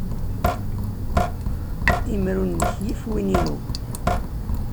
Imru-nnek yif win-inu.